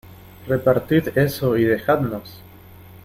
repartid eso y dejadnos.